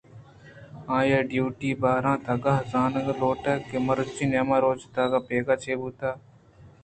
آئی ءِ ڈیوٹی ءِ بہراَنت ءُاگاں آزانگ لوٹیت کہ مروچی نیم روچ تا بیگاہ ءَ چے بوتگ